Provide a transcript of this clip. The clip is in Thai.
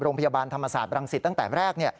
โรงพยาบาลธรรมศาสตร์บรังสิตตั้งแต่แรก